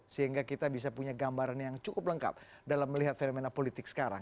sehingga kita bisa punya gambaran yang cukup lengkap dalam melihat fenomena politik sekarang